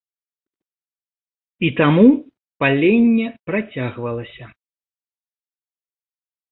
І таму паленне працягвалася.